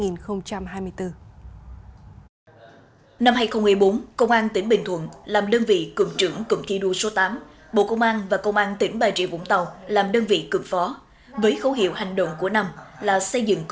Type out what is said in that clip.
năm hai nghìn một mươi bốn công an tỉnh bình thuận làm đơn vị cục trưởng cục thi đua số tám bộ công an và công an tỉnh bà rịa vũng tàu làm đơn vị cục phó với khấu hiệu hành động của năm là xây dựng công an nhân dân thực sự